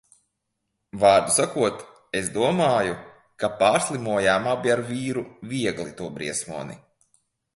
Vārdu sakot, es domāju, ka pārslimojām abi ar vīru viegli to briesmoni.